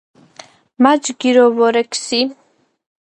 მა ჯგირო ვორექ სი?